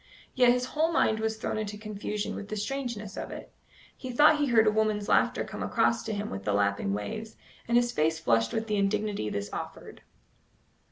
Yet his whole mind was thrown into confusion with the strangeness of it. He thought he heard a woman's laughter come across to him with the lapping waves, and his face flushed with the indignity this offered.